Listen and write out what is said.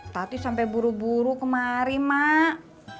tadi sampai buru buru kemari mak